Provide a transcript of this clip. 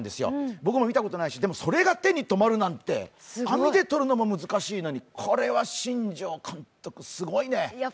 僕も見たことないし、でもそれが手にとまるなんて、網でとるのも難しいのにこれは新庄監督、すごいね。